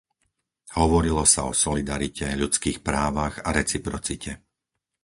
Hovorilo sa o solidarite, ľudských právach a reciprocite.